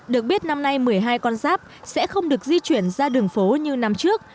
được biết năm nay một mươi hai con giáp sẽ không được di chuyển ra đường phố như năm trước